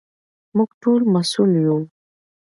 موږ ټول مسوول یو.